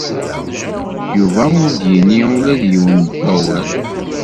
Yuba ur d-yenni ula d yiwen n wawal.